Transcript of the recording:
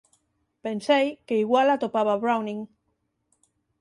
Pensei que igual atopaba a Browning…